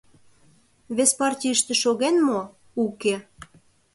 Вес партийыште шоген мо? — уке